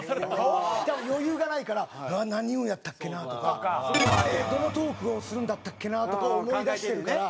多分余裕がないから何言うんやったっけなとかどのトークをするんだったっけなとかを思い出してるから。